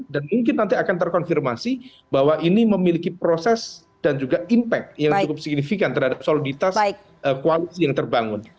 dan mungkin nanti akan terkonfirmasi bahwa ini memiliki proses dan juga impact yang cukup signifikan terhadap soliditas koalisi yang terbangun